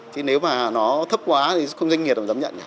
chứ nếu mà nó thấp quá thì không doanh nghiệp được dám nhận